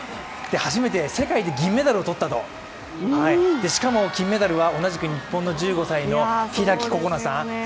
初めて世界で銀メダルを取ったとしかも、金メダルは、同じく日本の１５歳の開心那さん。